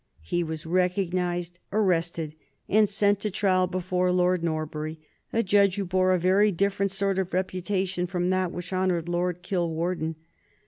He was recognized, arrested, and sent to trial before Lord Norbury, a judge who bore a very different sort of reputation from that which honored Lord Kilwarden.